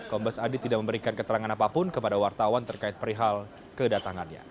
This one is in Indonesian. kombes adi tidak memberikan keterangan apapun kepada wartawan terkait perihal kedatangannya